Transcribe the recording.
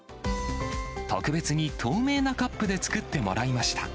特別に透明なカップで作ってもらいました。